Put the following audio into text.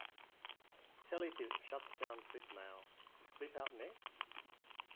Teleflip Shuts Down Flipmail, Is Flipout Next?